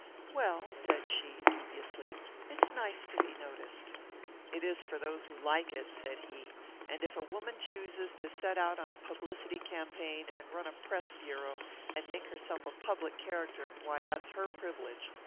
"Well," said she, dubiously, "it's nice to be noticed." "It is for those who like it," said he; "and if a woman chooses to set out on a publicity campaign, and run a press bureau, and make herself a public character, why, that's her privilege.